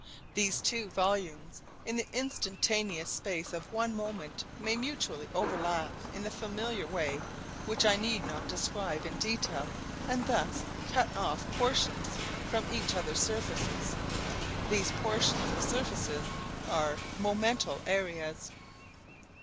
These two volumes in the instantaneous space of one moment may mutually overlap in the familiar way which I need not describe in detail and thus cut off portions from each other's surfaces. These portions of surfaces are 'momental areas.'